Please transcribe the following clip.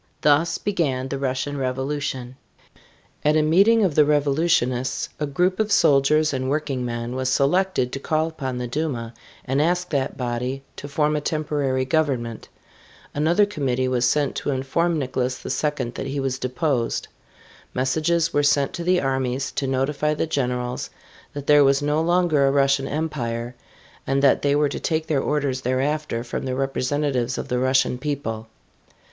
Thus began the Russian Revolution. At a meeting of the revolutionists a group of soldiers and working men was selected to call upon the Duma and ask that body to form a temporary government. Another committee was sent to inform Nicholas II that he was deposed. Messages were sent to the armies to notify the generals that there was no longer a Russian Empire and that they were to take their orders thereafter from the representatives of the Russian people.